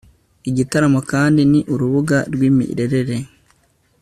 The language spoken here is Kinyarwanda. igitaramo kandi ni urubuga rw'imirerere